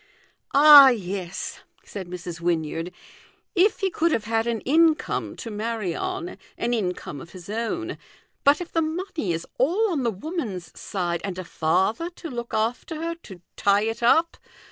" Ah, yes," said Mrs. Wynyard, " if he could have had an income to rnarry on an income of his own ; but if the money is all on the woman's side, and a father to look after her, to tie it up.